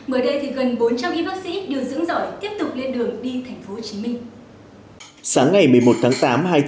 mới đây gần bốn trăm linh y bác sĩ đều dưỡng dõi tiếp tục lên đường đi tp hcm